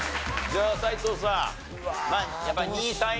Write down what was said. じゃあ斎藤さん。